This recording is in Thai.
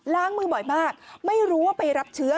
ล้างมือบ่อยมากไม่รู้ว่าไปรับเชื้อ